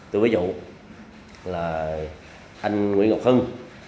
từ ví dụ là anh nguyễn ngọc hưng